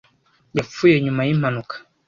Yapfuye nyuma yimpanuka.